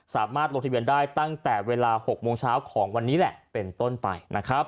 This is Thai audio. สามารถลงทะเบียนได้ตั้งแต่เวลา๖โมงเช้าของวันนี้แหละเป็นต้นไปนะครับ